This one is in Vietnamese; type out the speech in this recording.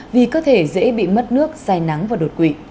vì cơ thể dễ bị mất nước dài nắng và đột quỷ